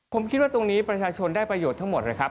ผมคิดว่าตรงนี้ประชาชนได้ประโยชน์ทั้งหมดเลยครับ